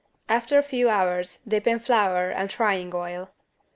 After a few hours dip in flour and frying oil.